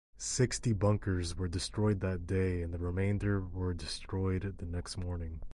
Sixty bunkers were destroyed that day and the remainder were destroyed the next morning.